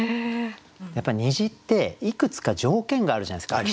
やっぱ虹っていくつか条件があるじゃないですか。